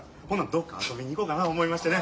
どっか遊びに行こかな思いましてね。